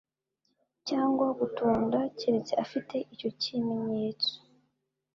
cyangwa gutunda keretse afite icyo kimenyetso